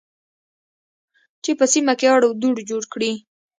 چې په سیمه کې اړو دوړ جوړ کړي